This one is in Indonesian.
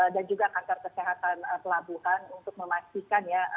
dan juga kanser kesehatan pelabuhan untuk memastikan ya